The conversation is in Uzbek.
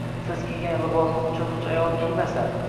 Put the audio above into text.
Siz kiygan libosni uncha muncha ayol kiymasa